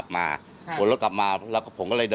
ใช่ครับแล้วผมก็บอก